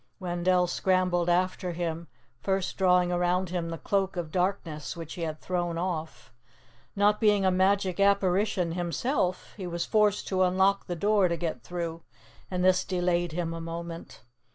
Wendell scrambled after him, first drawing around him the Cloak of Darkness, which he had thrown off. Not being a magic apparition, himself, he was forced to unlock the door to get through, and this delayed him a moment.